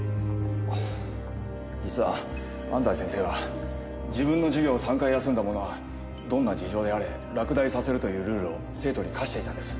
実は安西先生は自分の授業を３回休んだ者はどんな事情であれ落第させるというルールを生徒に課していたんです。